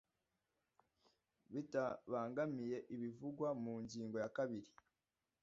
bitabangamiye ibivugwa mu ngingo ya kabiri